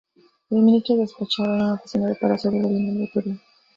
El Ministro despachaba en una oficina de Palacio de Gobierno del Perú.